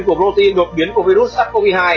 của protein đột biến của virus sars cov hai